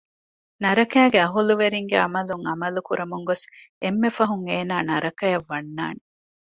ނަރަކައިގެ އަހުލުވެރިންގެ ޢަމަލުން ޢަމަލު ކުރަމުން ގޮސް އެންމެ ފަހުން އޭނާ ނަރަކައަށް ވަންނާނެ